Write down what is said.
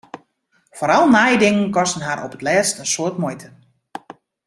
Foaral nije dingen kosten har op 't lêst in soad muoite.